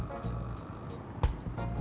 suatu hari beliau